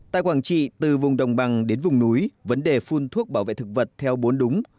tại quảng trị từ vùng đồng bằng đến vùng núi vấn đề phun thuốc bảo vệ thực vật theo bốn đúng